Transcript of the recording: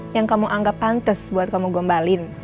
yang kamu anggap pantes buat kamu gombalin